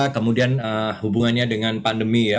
kemudian hubungannya dengan pandemi ya